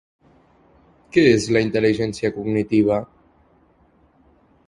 Què és la intel·ligència cognitiva?